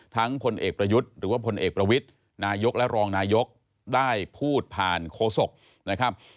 พลเอกประยุทธ์หรือว่าพลเอกประวิทย์นายกและรองนายกได้พูดผ่านโคศกนะครับ